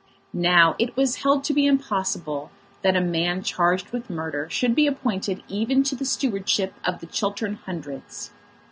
Now it was held to be impossible that a man charged with murder should be appointed even to the stewardship of the Chiltern Hundreds.